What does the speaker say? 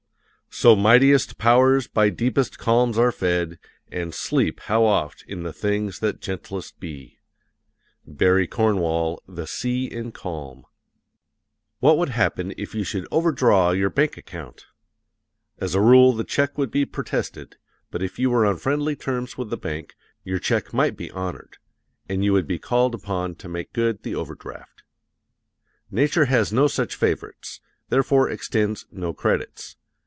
So mightiest powers by deepest calms are fed, And sleep, how oft, in things that gentlest be! BARRY CORNWALL, The Sea in Calm. What would happen if you should overdraw your bank account? As a rule the check would be protested; but if you were on friendly terms with the bank, your check might be honored, and you would be called upon to make good the overdraft. Nature has no such favorites, therefore extends no credits.